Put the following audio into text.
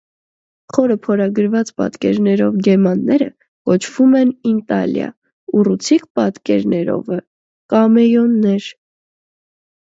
Խորը փորագրված պատկերներով գեմմաները կոչվում են ինտալիա, ուռուցիկ պատկերներովը՝ կամեյոններ։